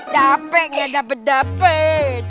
dapet ya dapet dapet